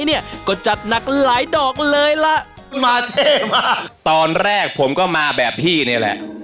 เนี่ยก็จัดหนักหลายดอกเลยล่ะมาเท่มากตอนแรกผมก็มาแบบพี่นี่แหละ